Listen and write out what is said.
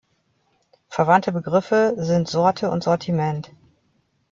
Verwandte Begriffe sind Sorte und Sortiment.